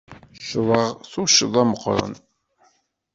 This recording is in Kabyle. Ccḍeɣ tuccḍa meqqren.